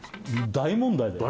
大問題だよ